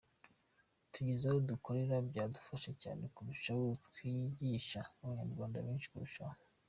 Tugize aho gukorera byadufasha cyane kurushaho kwigisha Abanyarwanda benshi kurushaho.